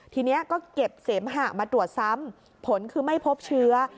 ทีนี้ก็เก็บเสมหะมาตรวจซ้ำผลคือไม่พบเชื้อ